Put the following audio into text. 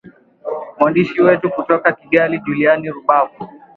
mwandishi wetu kutoka kigali julian rubavu